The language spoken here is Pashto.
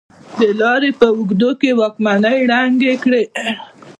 د لارې په اوږدو کې واکمنۍ ړنګې کړې.